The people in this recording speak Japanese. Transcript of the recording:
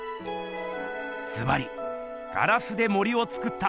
ずばり「ガラスで森をつくった」